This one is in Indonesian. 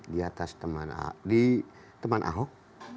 di atas teman ahok di teman ahok